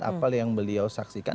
apa yang beliau saksikan